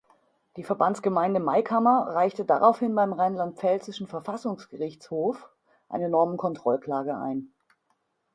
Die Verbandsgemeinde Maikammer reichte daraufhin beim rheinland-pfälzischen Verfassungsgerichtshofs eine Normenkontrollklage ein.